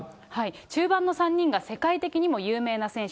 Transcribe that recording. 中盤の３人が世界的にも有名な選手。